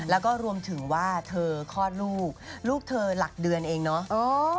แล้วก็รวมถึงว่าเธอคลอดลูกลูกเธอหลักเดือนเองเนาะ